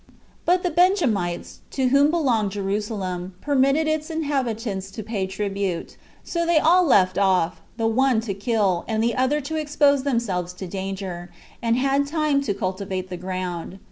5. But the Benjamites, to whom belonged Jerusalem, permitted its inhabitants to pay tribute. So they all left off, the one to kill, and the other to expose themselves to danger, and had time to cultivate the ground.